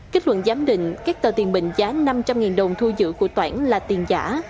kết luận giám định các tờ tiền mình giá năm trăm linh đồng thu dự của toãn là tiền giả